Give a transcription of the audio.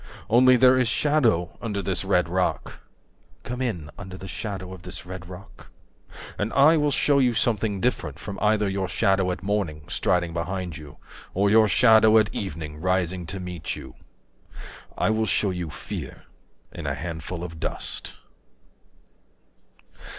Only There is shadow under this red rock, 25 (Come in under the shadow of this red rock), And I will show you something different from either Your shadow at morning striding behind you Or your shadow at evening rising to meet you; I will show you fear in a handful of dust.